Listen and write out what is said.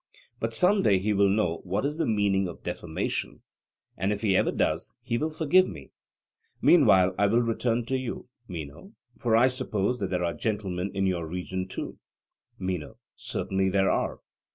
But some day he will know what is the meaning of defamation, and if he ever does, he will forgive me. Meanwhile I will return to you, Meno; for I suppose that there are gentlemen in your region too? MENO: Certainly there are.